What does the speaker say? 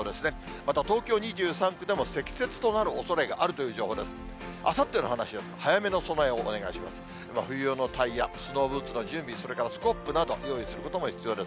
また東京２３区でも積雪となるおそれがあるという情報です。